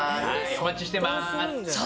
お待ちしてまーす。